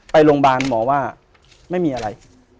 ไปโรงพยาบาลหมอว่าไม่มีอะไร